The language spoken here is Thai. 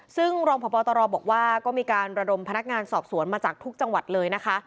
ซึ่งรองพบตรบอกว่าก็มีการระดมพนักงานสอบสวนมาจากทุกจังหวัดเลยนะคะ